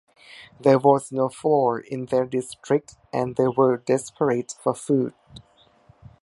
There was no flour in their district, and they were desperate for food.